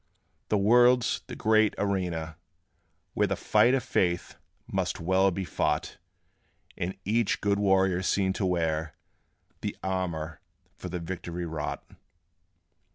The world's the great arena, where The fight of faith must well be fought, And each good warrior seen to wear The armor for the victory wrought.